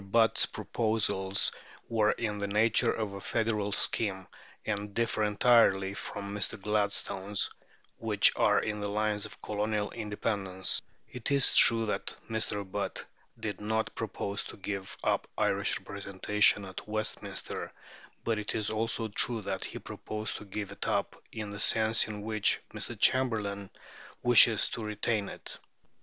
Butt's proposals were in the nature of a federal scheme, and differ entirely from Mr. Gladstone's, which are on the lines of Colonial independence. Mr. Butt did not propose to give up Irish representation at Westminster." It is true that Mr. Butt did not propose to give up Irish representation at Westminster; but it is also true that he proposed to give it up in the sense in which Mr. Chamberlain wishes to retain it.